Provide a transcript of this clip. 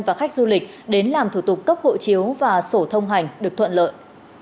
và khách du lịch đến làm thủ tục cấp hộ chiếu và sổ thông hành được thuận lợi